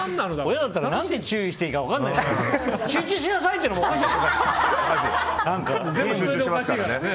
親だったら何て注意したらいいか分からないね。